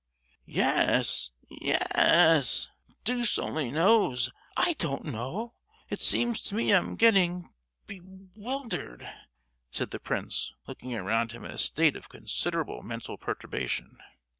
"Ye—yes; deuce only knows. I don't know! It seems to me I'm getting be—wildered," said the prince, looking around him in a state of considerable mental perturbation.